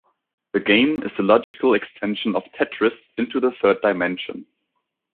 The game is the logical extension of "Tetris" into the third dimension.